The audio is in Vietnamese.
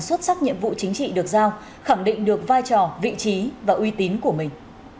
xuất sắc nhiệm vụ chính trị được giao khẳng định được vai trò vị trí và uy tín của mình